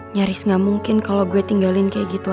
nyaris gak mungkin kalau gue tinggalin kayak gitu aja